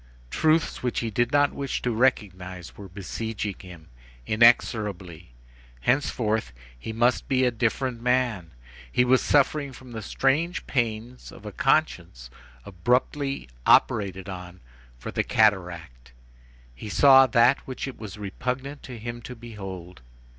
Truths which he did not wish to recognize were besieging him, inexorably. Henceforth, he must be a different man. He was suffering from the strange pains of a conscience abruptly operated on for the cataract. He saw that which it was repugnant to him to behold.